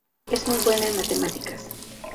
Es muy buena en matemáticas.